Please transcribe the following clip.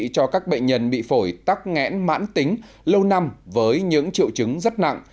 cho các bệnh nhân bị phổi tắc nghẽn mãn tính lâu năm với những triệu chứng rất nặng